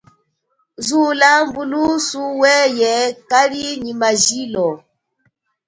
Zula mbulusu weye kali nyi majilo.